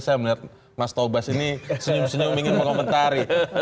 saya melihat mas tobas ini senyum senyum ingin mengomentari